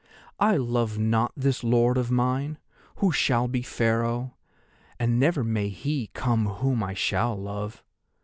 I love not this lord of mine, who shall be Pharaoh, and never may he come whom I shall love.